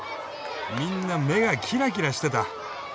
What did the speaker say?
みんな目がキラキラしてた。